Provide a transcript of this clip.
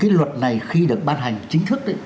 cái luật này khi được ban hành chính thức